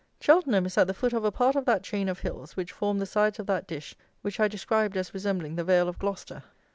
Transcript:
Cheltenham is at the foot of a part of that chain of hills which form the sides of that dish which I described as resembling the vale of Gloucester.